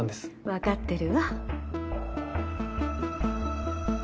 わかってるわ。